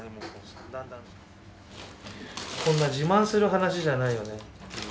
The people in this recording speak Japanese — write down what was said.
こんな自慢する話じゃないよね。